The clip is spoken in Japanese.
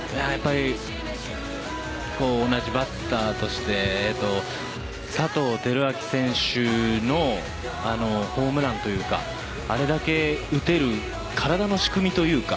同じバッターとして佐藤輝明選手のホームランというかあれだけ打てる体の仕組みというか。